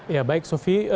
ya baik sufi